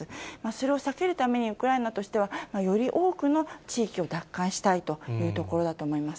それを避けるためにウクライナとしては、より多くの地域を奪還したいというところだと思います。